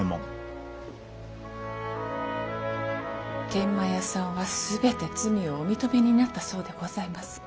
天満屋さんはすべて罪をお認めになったそうでございます。